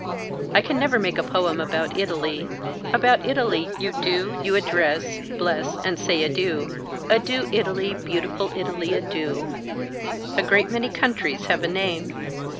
I can never make a poem about Italy. About Italy you do, you address, bless and say adieu. Adieu Italy beautiful Italy adieu. A great many countries have a name.